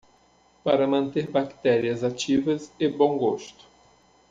Para manter bactérias ativas e bom gosto